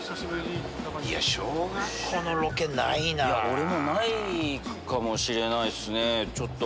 俺もないかもしれないっすね。